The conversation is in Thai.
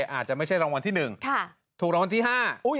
อาจจะไม่ใช่รางวัลที่หนึ่งค่ะถูกรางวัลที่ห้าอุ้ย